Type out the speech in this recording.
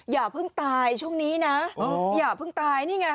อย่าเพิ่งตายช่วงนี้นะอย่าเพิ่งตายนี่ไง